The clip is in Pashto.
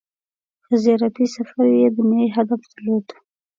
• دغه زیارتي سفر یې دنیايي هدف درلود.